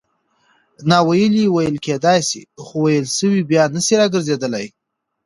ناویلي ویل کېدای سي؛ خو ویل سوي بیا نه سي راګرځېدلای.